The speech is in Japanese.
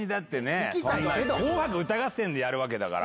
紅白歌合戦でやるわけだから。